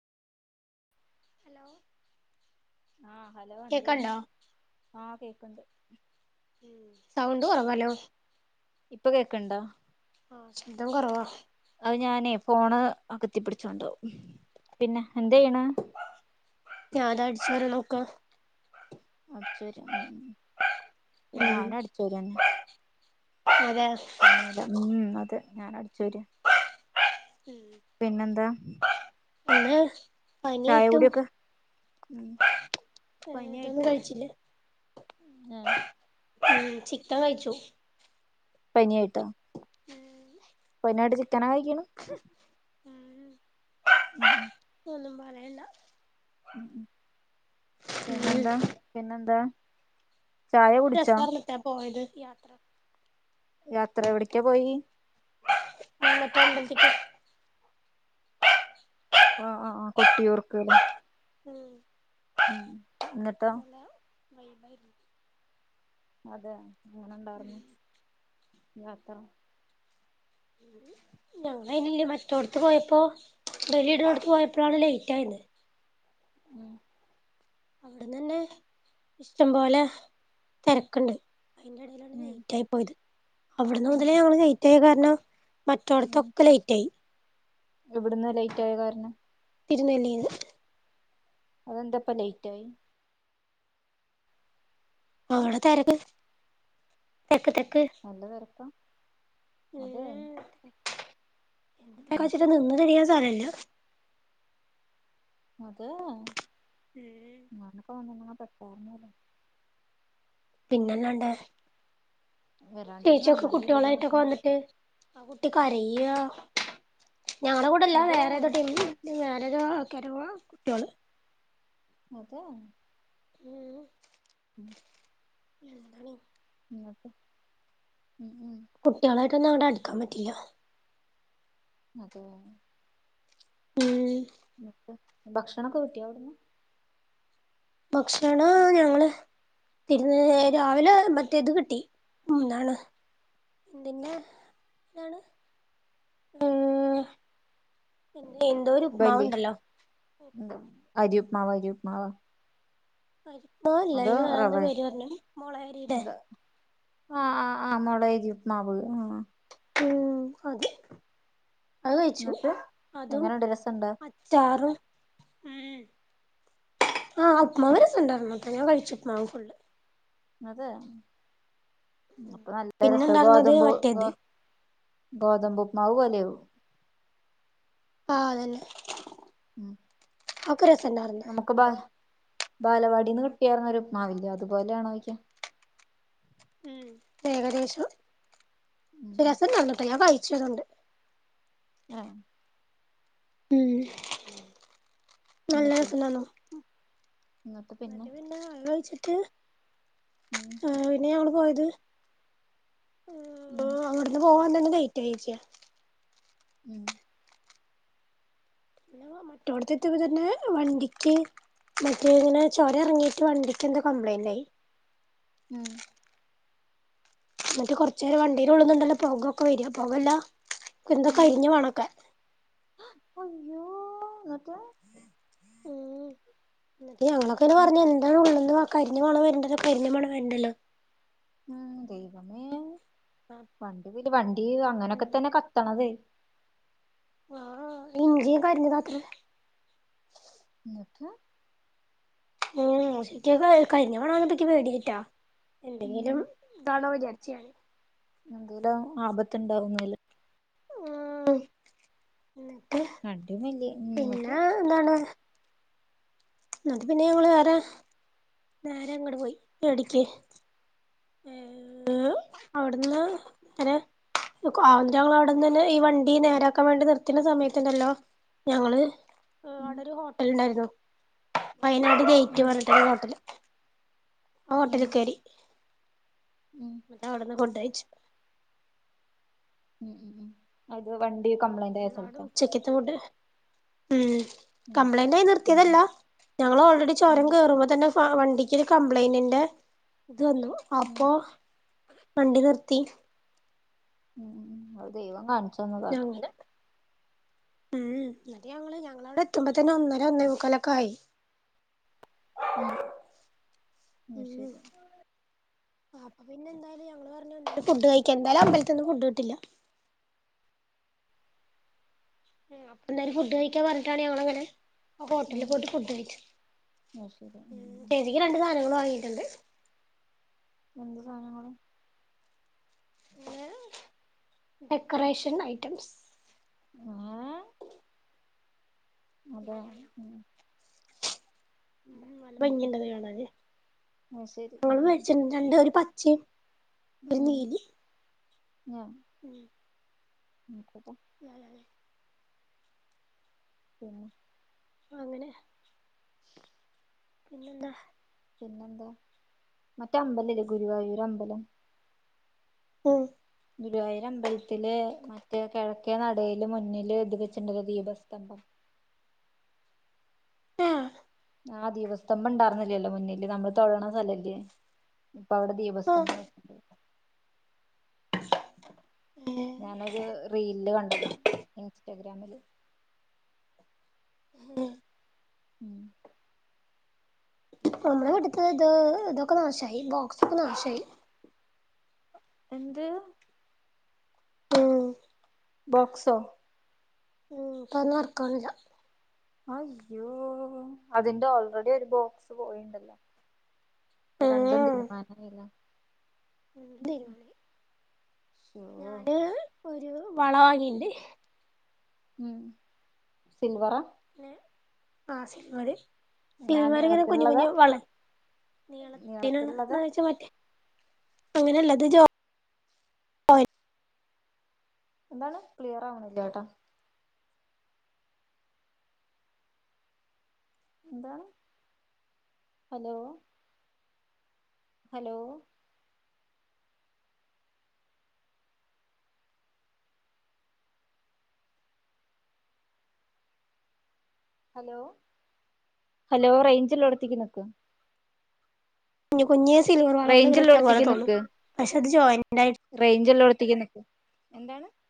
Hello ആഹ് hello എന്തേനു കേക്കണ്ടോ ആഹ് കേക്കണ്ട് ഉ സൗണ്ട് കുറവാല്ലോ ഇപ്പൊ കേൾക്കണ്ടോ ആഹ് ശബ്ദം കൊറവ അത് ഞാനേ ഫോണ് അകത്തി പിടിച്ചോണ്ട് ആവുംപിന്നെ എന്തെ ചെയ്യണെ ഞാന് അടിച്ചു വാരാൻ നോക്ക അടച്ച് വാര ഉം ഉം പി ഉം ന്നെഞാനും അടിച്ചു വാരു വന്നെ അതെ സമയില്ലഉം അതെ ഞാനും അടിച്ചു വാര ഉ എന്ന ചായ പനിയായിട്ടും കുടിയൊക്കെ ഉം ഏതൊന്നും പനിയായിട്ട് കഴിച്ചില്ലേ ഏഹ് ഉം ചിക്കൻ കഴിച്ചു പനിയായി ട്ടോ ഉം പനിയായിട്ട് ചിക്കനാ കഴിക്കണു ഉം ഒന്നും പറയണ്ട ഉം ഉം ഉംപിന്നെന്താ പിന്നെന്താ ചായ നല്ല കുടിച്ചോ രസാർന്നടോ പോയത് യാത്ര യാത്ര എവിടക്കാ പോയി മറ്റേ അമ്പലത്തിൽ പോ ആഹ് ആഹ് ആഹ് കൊട്ടി ഒർക്കൂല്ലെ ഉം ഉം എന്നിട്ടോ നല്ല [unintelligible] അതെ എങ്ങനെ ഉണ്ടാർന്നു യാത്ര ഒരു ഞങ്ങളൾയ്നില് മറ്റോടത്ത് പോയപ്പോ ഇടലിയുടെ അടുത്ത് പോയപ്പോഴാണ് ലേറ്റ് ആയന്ന് മം അവിടെന്ന്തന്നെഇഷ്ടം പോലെ തിരക്കുണ്ട് അതിന്റെ ഇടയിലാണ് ഉം ലേറ്റ് ആയി പോയത് അവിടന്ന് ഉം മുതലേ ഞങ്ങൾ ലേറ്റ് ആയ കാരണം ഉം മറ്റടത്തൊക്കെ ലേറ്റ് ആയി ഇവിടുന്ന് ലേറ്റായ കാരണം തിരുനെല്ലിയില് അതെന്താപ്പ ലേറ്റ് ആയി ഉം അവിടെ തെരക്ക് തെക്ക് തെക്ക് നല്ല തെരക്കാ എന്നിട്ട് [unintelligible] നിന്ന് തിരിയാൻ സ്ഥലവില്ല അതെയോ ഉം ഞാനൊക്കെ വന്നൂന്ന [unintelligible] പെട്ടതന്നെയല്ലേ പിന്നെല്ലാണ്ട് വരാണ്ടിരുന്ന ചേച്ചിയൊക്കെ നന്നായില്ല ഒരു കുട്ടികളായിട്ടൊക്കെ കണക്കിന് വന്നിട്ട് ആ കുട്ടി കരയാ ഞങ്ങടെകൂടല്ല അത് വേറേതോ ടീം ഞാനൊരു ആക്കെരവാ കുട്ടികള് അതേ ഉം ഉം ഞങ്ങളും ന്ന്ട്ട് ഉം ഉം കുട്ടികളായിട്ടൊന്നും അവിടെ അടുക്കാൻ പറ്റില്ല അതെയോ ഉം ന്ന്ട്ട് ഭക്ഷണൊക്കെ കിട്ടിയോ അവിടന്ന് ഭക്ഷണോ ഞങ്ങള് തിരുന്ന് രാവിലെ മറ്റേത് കിട്ടി എന്താണ് പിന്നെ എന്താണ് ഉം പിന്നെ എന്തോ ഒരു ഉപ്മാവ് ഉണ്ടല്ലോ അരിയുപ്മാവ് അരിയുപ്മാവ് ഉപ്മാവ് അല്ല അയിന് വേറെന്തോ റവേ പേര് പറഞ്ഞിന് മൊളയരിടെ ആഹ് ആഹ് ആഹ് മൊളയരി ഉപ്മാവ് ഉം അത് അത് കഴിച്ചു എന്നിട്ട് അതും എങ്ങനെണ്ട് രസണ്ടോ അ ച്ചാറും ഉം ആഹ് ഉപ്മാവ് രസുണ്ടായിരുട്ടാ ഞാൻ കഴിച്ചു ഉപ്മാവ് ഫുളള് അതെ അപ്പൊ നല്ല പിന്നെ രസാ ഉണ്ടായിരുന്നത് ഗോതമ്പു ഗോ മറ്റേത് ഗോതമ്പു ഉപ്മാവ് പോലെയാവും ആഹ് അതന്നേ ഉം അതൊക്കെ രസണ്ടാരുന്ന് ക്ക്ബാ ബാലവാടിന്ന് കിട്ടിയാര്ന്നൊരു ഉപ്മാവ് ഇല്ലേ അതുപോലെ ആണോയിക്യ ഉം ഏകദേശം ഉം രസം ഉണ്ടായിരുന്നട്ട ഞാൻ കഴിച്ചു അതോണ്ട് ആഹ് ഉം നല്ല എന്നിട്ട് രസണ്ടാരുന്നു എന്നിട്ട് പിന്നെ മറ്റേ പിന്നേ അത് കഴിച്ചിട്ട് ഉം പിന്നെ ഞങ്ങള് പോയത് ഉം അങ്ങോട്ടൊന്ന് പോവാൻ തന്നെ വേയിറ്റ് ആയിച്ച് ഉം മറ്റോടത്തെത്തീപ്പോ തന്നെ വണ്ടിക്ക് മറ്റേ ഇങ്ങനെ ചൊരം ഇറങ്ങിയിട്ട് വണ്ടിക്ക് എന്തോ കംപ്ലയിന്റ് ആയി ഉം എനിട്ട് കുറച്ച് നേരം വണ്ടീയിലള്ളുന്നുണ്ടല്ല പുകൊക്കെ വരിക പുകല്ലാം എന്തോ ആഹ് കരിഞ്ഞ മണമൊക്കെ അയ്യോ എന്നിട്ട് ഉം എന്നിട്ട് ഞങ്ങളൊക്കെ മറഞ്ഞ് എന്നിട്ട് ഇരുന്നു [unintelligible] ഉള്ളിൽ നിന്ന് കരിഞ്ഞ മണം വരേണ്ടല്ല കരിഞ്ഞ മണം വരണ്ടല്ലോ ഉം ദൈവമേ വണ്ടി വണ്ടി അങ്ങനെയൊക്കെ ഉം തന്നെ കത്തണത് ആഹ് എൻഞ്ചിൻ കരിഞ്ഞതാത്രേ എന്നിട്ട് ഉം കഴിഞ്ഞ തവണ വന്നപ്പേ പേടിക്കിട്ടിയത ഉം എന്തെങ്കിലും കാണോ വിചാരിച്ച് [unintelligible] എന്തേലും ആപാത്ത് ഉണ്ടാവുന്നല്ല ഉം എന്നിട്ട് വണ്ടി വല്യ എന്നിട്ട് പിന്നെ എന്താണ് അത് പിന്നെ ഞങ്ങള് വേറെ നേരെ അങ്ങോട് പോയി ചേടിക്ക് [inaudible] അവിടുന്ന് ഒര് ആഹ് ഞങ്ങൾ അവിടന്ന് തന്നെ ഈ വണ്ടി നേരാക്കാൻ വേണ്ടി നിർത്തുന്ന സമയത്തണ്ടുല്ലോ ഞങ്ങള് ഉം അവിടെ ഒരു ഹോട്ടല് ഉണ്ടായിരുന്നു വയനാട് ജയിറ്റ് ഉം പറഞ്ഞിട്ടെരു ഹോട്ടല് ആഹ് ഉം ഹോട്ടലിൽ കയറി ഉം മറ്റ അവിടെന്ന് കൊണ്ടയച്ചു ഉം ഉം അത് വണ്ടി കംപ്ലൈന്റ് ആയ സ്ഥലത്താ ചെക്കത്തോണ്ട് ഉം ഉം ശരി കംപ്ലൈന്റ് ആയി ഉം നിർത്തിയതല്ല ഉം ഞങ്ങൾ ഓൾറെഡി ഉം ചൊരം കേറുമ്പോ തന്നെ ആഹ് വണ്ടിക്കൊരു കംപ്ലൈന്റ് ഇണ്ട് ഇത് വന്നു ഉം അപ്പൊ വണ്ടി നിർത്തി ഉം ഉം അത് ദൈവങ്ങളാണ് ഞാൻ ഉണ്ട് ഉം അത് ഞങ്ങള് ഞങ്ങളവിടെ എത്തുമ്പോ തന്നെ ഒന്നര ഒന്നേ മൂക്കാല് ഒക്കെ ആയി ഉം ഉം ആഹ് അപ്പൊ പിന്നെന്തായാലും ഞങ്ങള് പറഞ്ഞ് എന്താലും ഫുഡ് കഴിക്കാം എന്തായാലും അമ്പലത്തൊന്നും ഫുഡ് കിട്ടില്ല. അപ്പൊ എന്താലും ഫുഡ് കഴിക്കാൻ പറഞ്ഞിട്ടാണ് ഞങ്ങള് അങ്ങനെ ഹോട്ടലിൽ ഉം പോയിട്ട് ഫുഡ് കഴിച്ചു അത് ശരി ഉം ചേച്ചിക്ക് രണ്ട് സാധനങ്ങൾ വാങ്ങിയിട്ടുണ്ട് എന്ത് സാധനങ്ങള് പിന്നെ ഡെക്കറേഷൻ ഐറ്റംസ് ആഹ് അതെ ഉം നല്ല ഭംഗിയൊണ്ടത് കാണേന് അത് ശരി ഉം ഞങ്ങ ഉം മേടിച്ചി രണ്ട് പച്ചയും ഉം ഉം ഉം നോക്കട്ടെ [unintelligible] പിന്നെ അങ്ങനെ പിന്നെ എന്താ പിന്നെന്താ മറ്റേ അമ്പലല്ലേ ഗുരുവായൂരമ്പലം? ഉം ഗുരുവായൂരമ്പലത്തിലെ മറ്റേ കിഴക്കേ നടയില് മുന്നില്ത് വെച്ചിണ്ടല്ലോ ദീപസ്തംഭം ഏഹ് ആ ദീപസ്തംബണ്ടാർന്നില്ലല്ലോ മുന്നില് ഞമ്മള് തൊയഴ്ണ സ്ഥലല്ലേ? ഇപ്പവ്ടെ ദീപസ്തംഭം ആഹ് വെക്ക്ണ്ട് ഏഹ് ഞാനൊരു റീൽല് കണ്ടതാ ഇൻസ്റ്റഗ്രാമില് മ് ഉം നമ്മളടുത്ത് ഇത് ഇതൊക്കെ നാശായി ബോക്സൊക്കെ നാശായി എന്ത്? ഉം ബോക്സോ? ഉം ഇപ്പത് വർക്കാണില്ല അയ്യോ അതിന്റൊൾറെഡിയൊരു ബോക്സ് പോയിണ്ടല്ലോ? ഇപ്പം രണ്ടും തീരുമാനായിലെ? ഉം തീരുമാനായി ഓഹോ ഞാന് ഒരു വള വാങ്ങില്ലേ? ഉം സിൽവറാ? ങ്ങേ ആഹ് സിൽവറ് ആ സിൽവറിങ്ങനെ കുഞ്ഞു നീളത്തിലുള്ളതാ കുഞ്ഞു വള നീളത്തിലുള്ളന്ന നീളത്തിലുള്ളത് വെച്ചാ മറ്റേ അങ്ങനെല്ല ഇത് ജോ എന്താണ്? ക്ലിയറാവണില്ല്യാട്ടോ എന്താണ്? ഹലോ ഹലോ ഹലോ ഹലോ റേയ്ഞ്ച്ല്ലോട്ത്തിക്ക് നിക്ക് കുഞ്ഞു കുഞ്ഞ് സിൽവർ റേഞ്ച് വളോള്ങ്ങനെ ഇട്ട പോലെ തോന്നും പക്ഷേ അത് ജോയിന്റായിട്ട് റേയ്ഞ്ച്ള്ളോടത്തേക്ക് നിക്കു എന്താണ്?